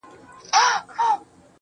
• خود دي خالـونه پــه واوښتــل.